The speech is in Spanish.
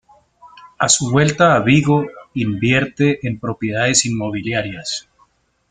A su vuelta a Vigo invierte en propiedades inmobiliarias.